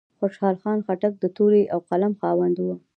خوشحال خان خټک د تورې او قلم خاوند و.